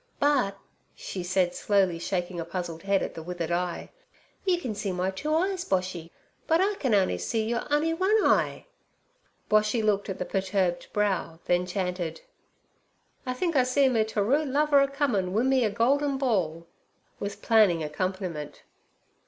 But' she said, slowly shaking a puzzled head at the withered eye, 'you can see my two eyes, Boshy, but I can on'y see your on'y one eye.' Boshy looked at the perturbed brow, then chanted: 'I think I see me terue lover a comin' wi me a goldin ball' with planing accompaniment.